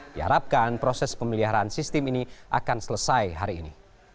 diharapkan proses pemeliharaan sistem ini akan selesai hari ini